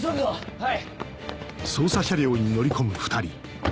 はい！